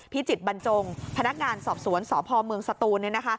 จิตบรรจงพนักงานสอบสวนสพเมืองสตูน